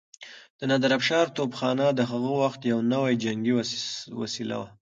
د نادرافشار توپخانه د هغه وخت يو نوی جنګي وسيله وه.